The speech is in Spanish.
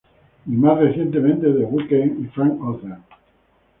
Y más recientemente The Weeknd y Frank Ocean.